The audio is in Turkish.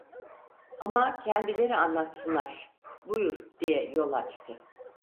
"Ama kendileri anlatsınlar, buyur!" diye yol açtı.